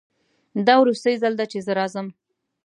دا وروستی ځل ده چې زه راځم